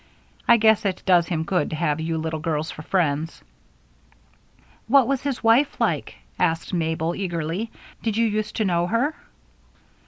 I guess it does him good to have you little girls for friends." "What was his wife like?" asked Mabel, eagerly. "Did you use to know her?"